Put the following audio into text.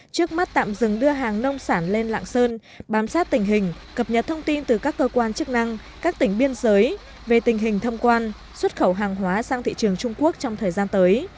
trước mắt tạm dừng đưa hàng nông sản lên lạng sơn bám sát tình hình cập nhật thông tin từ các cơ quan chức năng các tỉnh biên giới về tình hình thông quan xuất khẩu hàng hóa sang thị trường trung quốc trong thời gian tới